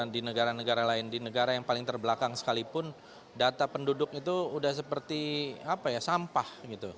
di negara negara lain di negara yang paling terbelakang sekalipun data penduduk itu sudah seperti sampah